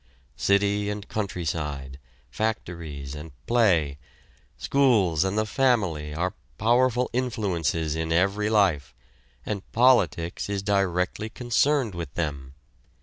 City and countryside, factories and play, schools and the family are powerful influences in every life, and politics is directly concerned with them.